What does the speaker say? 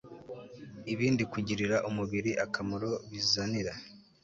ibindi kugirira umubiri akamaro Bizanira